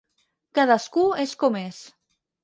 Cadascú és com és.